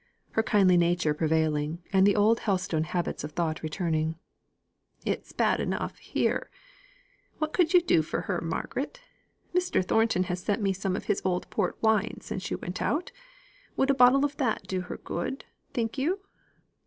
(Her kindly nature prevailing, and the old Helstone habits of thought returning.) "It's bad enough here. What could you do for her, Margaret? Mr. Thornton has sent me some of his old port wine since you went out. Would a bottle of that do her good, think you?"